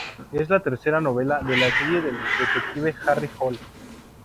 Es la tercera novela de la serie del detective Harry Hole.